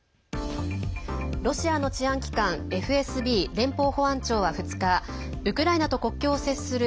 ロシアの治安機関ＦＳＢ＝連邦保安庁は２日ウクライナと国境を接する